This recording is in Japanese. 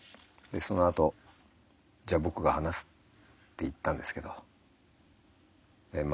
そのあとじゃあ僕が話すって言ったんですけどま